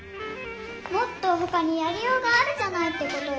もっとほかにやりようがあるじゃないってことよ。